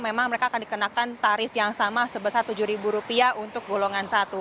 memang mereka akan dikenakan tarif yang sama sebesar rp tujuh untuk golongan satu